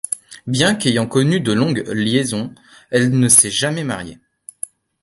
Bien qu'ayant connu de longues liaisons, elle ne s'est jamais mariée.